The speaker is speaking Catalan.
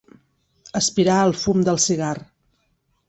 Aspirar el fum del cigar.